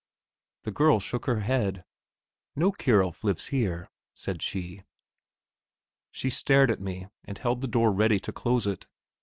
The girl shook her head. "No Kierulf lives here," said she. She stared at me, and held the door ready to close it.